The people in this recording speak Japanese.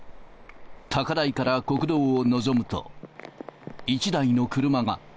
高台から国道を望むと、１台の車が。